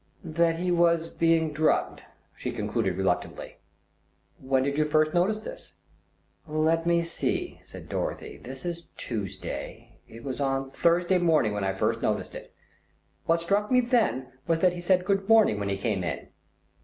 "That he was being drugged," she concluded reluctantly. "When did you first notice this?" "Let me see," said Dorothy. "This is Tuesday. It was on Thursday morning that I first noticed it. What struck me then was that he said, 'Good morning' when he came in."